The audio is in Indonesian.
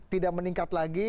tidak meningkat lagi